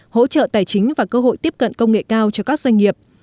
hỗ trợ tài chính và cơ hội tiếp cận công nghệ cao cho các doanh nghiệp